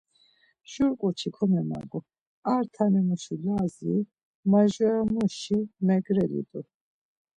Jur ǩoçi komemagu, ar tanemuşi Lazi, majuramuşi Mergeli t̆u.